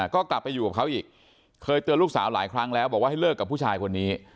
ก็กลับไปอยู่กับเขาอีกเคยเตือนลูกสาวหลายครั้งแล้วบอกว่าให้เลิกกับผู้ชายคนนี้